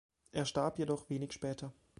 Er starb jedoch wenig später.